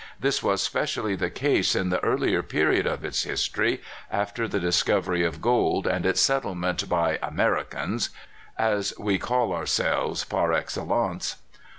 This was specially the case in the earlier period of its history, after (227) 228 CALIFORNIA SKETCHES. the discovery of gold and its settlement by '* Amer icans," as we call as ourselves, ^ar excellence.